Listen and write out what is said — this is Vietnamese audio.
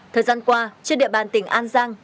thời gian qua trên địa bàn tỉnh an giang